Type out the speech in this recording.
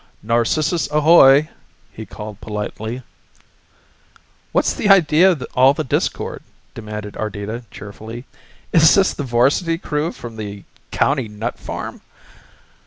"Narcissus ahoy!" he called politely. "What's the idea of all the discord?" demanded Ardita cheerfully. "Is this the varsity crew from the county nut farm?"